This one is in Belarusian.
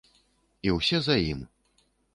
І ўсе за ім.